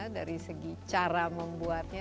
dari segi cara membuatnya